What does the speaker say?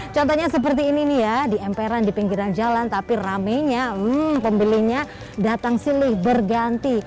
contohnya seperti ini ya di emperan di pinggiran jalan tapi rame nya pembelinya datang silih berganti